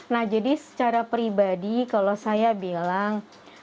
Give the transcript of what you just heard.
nah jadi secara pribadi kalau saya bilang